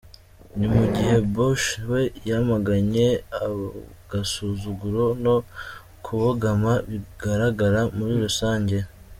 Ni mu gihe Bush we yamaganye agasuzuguro no kubogama bigaragara muri rusange.